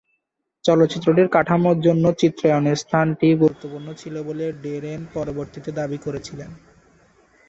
চলচ্চিত্রটির কাঠামোর জন্য চিত্রায়নের স্থানটি গুরুত্বপূর্ণ ছিল বলে ডেরেন পরবর্তীতে দাবি করেছিলেন।